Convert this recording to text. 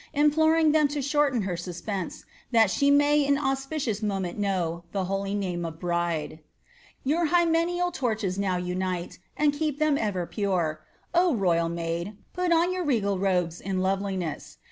Imploring them to shorten her suspense, That she may in auspicious moment know The holy name of bride. ••••• Tour hymeneal torches now unite, And keep them ever pure. Oh! royal maid, Put on your regal robes in loveliness.